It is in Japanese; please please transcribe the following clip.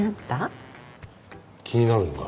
気になるのか？